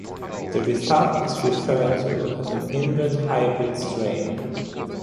The result is referred to as a inbred hybrid strain.